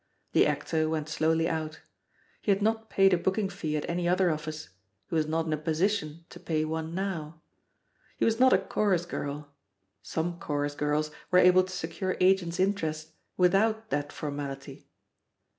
The actor went slowly out. He had not paid a booking fee at any other office; he was not in a position to pay one now. He was not a chorus girl ; some chorus girls were able to secure agents' interest without that formality.